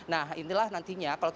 nah inilah nantinya